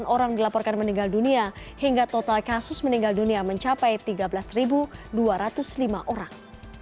delapan orang dilaporkan meninggal dunia hingga total kasus meninggal dunia mencapai tiga belas dua ratus lima orang